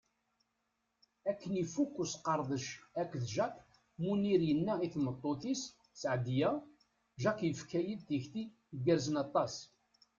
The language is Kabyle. Akken ifuk usqerdec akked Jack, Munir yenna i tmeṭṭut-is Seɛdiya: Jack yefka-yi-d tikti igerrzen aṭas.